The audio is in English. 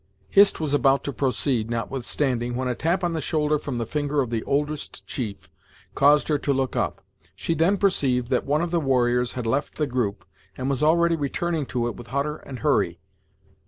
Hist was about to proceed, notwithstanding, when a tap on the shoulder from the finger of the oldest chief caused her to look up. She then perceived that one of the warriors had left the group, and was already returning to it with Hutter and Hurry.